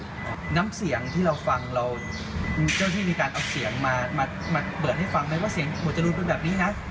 น้ำเสียงที่เราฟังเราเจ้าที่มีการเอาเสียงมามาเปิดให้ฟังไหมว่าเสียงหมวดจรูนเป็นแบบนี้นะ